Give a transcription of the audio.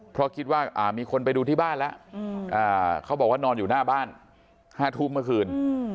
เพราะคิดว่ามีคนไปดูที่บ้านแล้วเขาบอกว่านอนอยู่หน้าบ้าน๕ทุ่มเมื่อคืน